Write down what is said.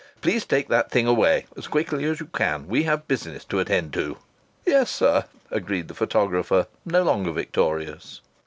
"Please take that thing away, as quickly as you can. We have business to attend to." "Yes, sir," agreed the photographer, no longer victorious.